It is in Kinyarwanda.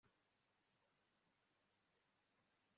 kandi kwibuka abagore beza dukesha ubuzima bwacu